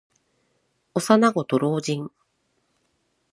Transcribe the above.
幼子と老人。